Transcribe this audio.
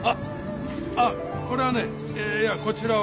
あっこれはね。いやこちらは。